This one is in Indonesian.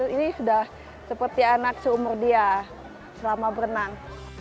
ini sudah seperti anak seumur dia selama berenang